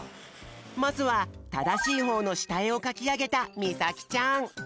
まずはただしいほうのしたえをかきあげたみさきちゃん。